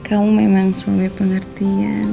kamu memang semuanya pengertian